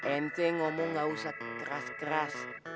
nt ngomong gak usah keras keras